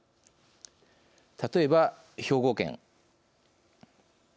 例えば、兵庫県。